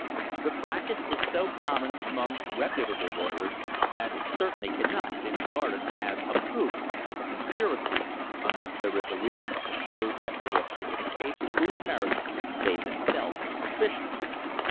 The prac tice is so common among reputable lawyers that it certainly cannot be regarded as a proof of a conspiracy, unless there is a reason to suppose that they have taken a case of whose merits they themselves are suspicious.